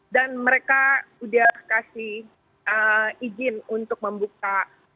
dan mereka udah kasih izin untuk membuka